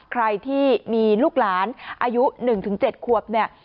ใครที่มีลูกหลานอายุ๑๗ขวบเนี่ย